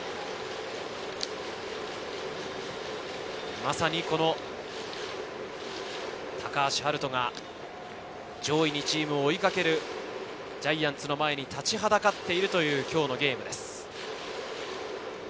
まさに高橋遥人が上位２チームを追いかけるジャイアンツの前に立ちはだかっているという今日のゲームです。